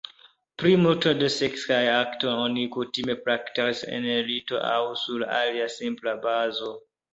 Plimulton de seksaj aktoj oni kutime praktikas en lito aŭ sur alia simpla bazo.